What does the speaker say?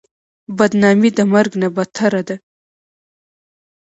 بدنامي د مرګ نه بدتره ده.